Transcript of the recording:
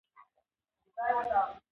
اداري عدالت د ټولنې ثبات پیاوړی کوي.